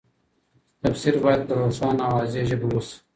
تفسیر باید په روښانه او واضحه ژبه وسي.